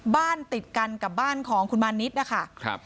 บ้านติดกันกับบ้านของคุณมานิดนะคะ